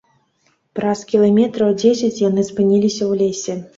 Праз кіламетраў дзесяць яны спыніліся ў лесе.